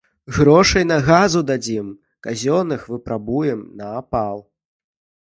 Грошай на газу дадзім, дроў казённых выпатрабуем на апал.